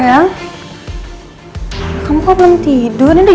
agak terbaik nochasih kita